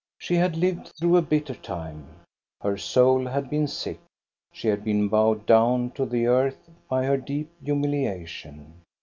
She had lived through a bitter time. Her soul had been sick. She had been bowed down to the earth by her deep humiliation.